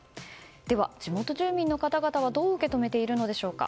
では地元住民の方々はどう受け止めているのでしょうか。